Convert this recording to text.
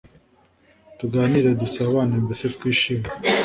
Tuganire dusabane mbese twishime